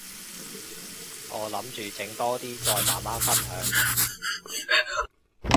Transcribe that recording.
我諗住整多啲，再慢慢分享